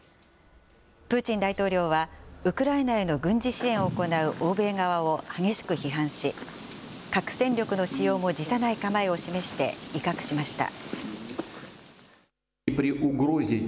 プーチン大統領はウクライナへの軍事支援を行う欧米側を激しく批判し、核戦力の使用も辞さない構えを示して、威嚇しました。